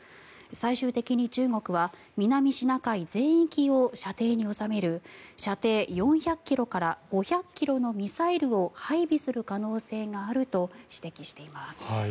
最終的に中国は南シナ海全域を射程に収める射程４００ｋｍから５００ｋｍのミサイルを配備する可能性があると指摘しています。